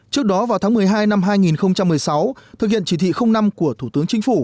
trước đó vào tháng một mươi hai năm hai nghìn một mươi sáu thực hiện chỉ thị năm của thủ tướng chính phủ